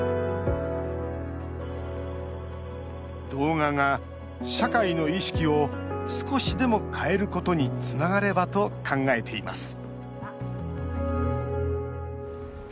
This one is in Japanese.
動画が社会の意識を少しでも変えることにつながればと考えています